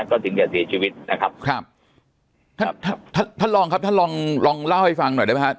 ก็ถึงจะเสียชีวิตนะครับครับท่านท่านลองครับท่านลองลองเล่าให้ฟังหน่อยได้ไหมครับ